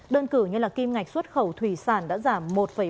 đơn cử như là kim ngạch xuất khẩu thủy sản đã giảm một ba